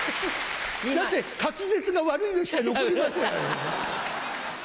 だって滑舌が悪いのしか残りません。